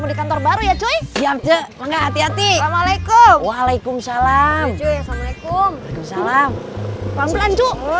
pelan pelan iya ini juga pelan pelan